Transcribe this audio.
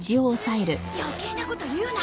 余計なこと言うな！